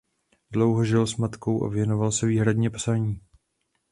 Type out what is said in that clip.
Dlouho žil s matkou a věnoval se výhradně psaní.